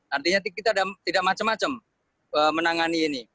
artinya kita tidak macam macam menangani ini